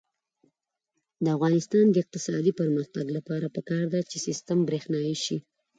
د افغانستان د اقتصادي پرمختګ لپاره پکار ده چې سیستم برښنايي شي.